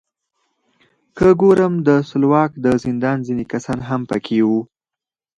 که ګورم د سلواک د زندان ځینې کسان هم پکې وو.